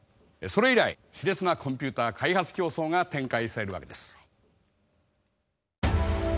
それ以来熾烈なコンピューター開発競争が展開されるわけです。